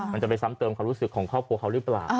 มันจะไปซ้ำเติมความรู้สึกของครอบครัวเขาหรือเปล่า